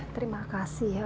terima kasih ya